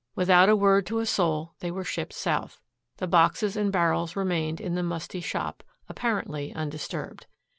Without a word to a soul they were shipped south. The boxes and barrels remained in the musty shop, apparently undisturbed.